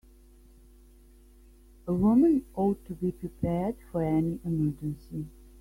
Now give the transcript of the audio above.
A woman ought to be prepared for any emergency.